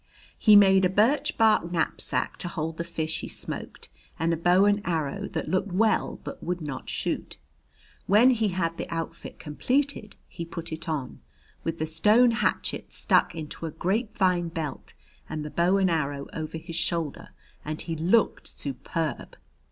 He made a birch bark knapsack to hold the fish he smoked and a bow and arrow that looked well but would not shoot. When he had the outfit completed, he put it on, with the stone hatchet stuck into a grapevine belt and the bow and arrow over his shoulder, and he looked superb.